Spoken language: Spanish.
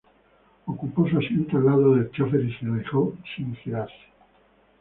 Ocupó un asiento al lado del chofer y se alejó sin voltear.